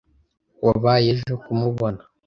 Wabaye ejo kumubona?